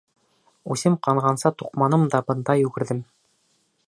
Үсем ҡанғанса туҡманым да бында йүгерҙем!